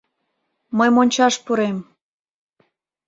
Мый мончаш пурем!